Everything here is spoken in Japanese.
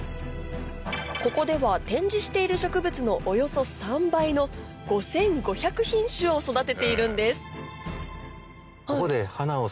ここでは展示している植物のおよそ３倍の５５００品種を育てているんですここで。